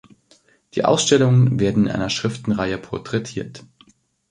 Die Ausstellungen werden in einer Schriftenreihe porträtiert.